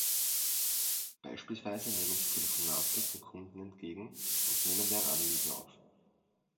Beispielsweise nehmen sie Telefonate von Kunden entgegen und nehmen deren Anliegen auf.